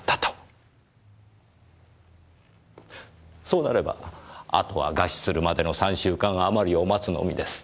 そうなればあとは餓死するまでの３週間あまりを待つのみです。